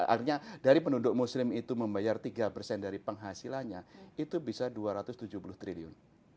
artinya dari penduduk muslim itu membayar tiga persen dari penghasilannya itu bisa dua ratus tujuh puluh triliun